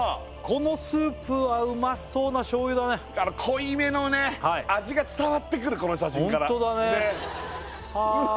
このスープはうまそうな醤油だね濃いめのね味が伝わってくるこの写真からねっホントだねはっはっはっは！